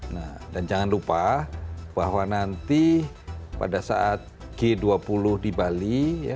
nah dan jangan lupa bahwa nanti pada saat g dua puluh di bali